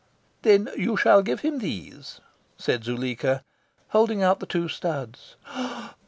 "Then you shall give him these," said Zuleika, holding out the two studs.